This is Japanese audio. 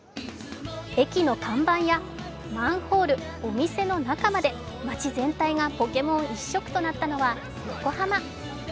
駅の看板やマンホール、お店の中まで街全体がポケモン一色となったのは横浜。